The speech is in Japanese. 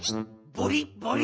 「ボリボリ！」